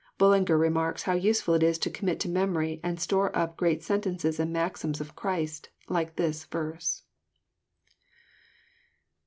BuUinger remarks how usefUl it is to commit to memory and store up great sentences and maxims of Christ, like this verse.